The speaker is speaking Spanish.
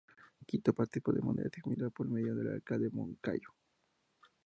Quito participó de manera similar por medio del alcalde Moncayo.